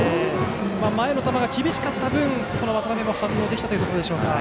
前の球が厳しかった分渡辺も反応できたでしょうか。